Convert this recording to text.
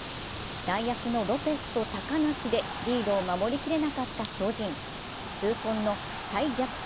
代役のロペスと高梨でリードを守りきれなかった巨人痛恨の再逆転